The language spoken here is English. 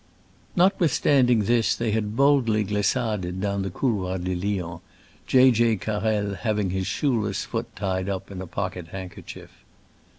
Notwithstanding this, they had boldly glissaded down the Couloir du Lion, J. J. Carrel having his shoeless foot tied up in a pocket handkerchief.